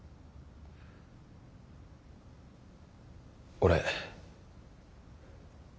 俺。